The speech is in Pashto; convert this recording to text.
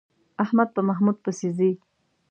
احمد په محمود پسې ځي.